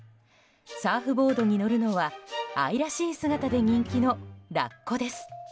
サーフボードに乗るのは愛らしい姿で人気のラッコです。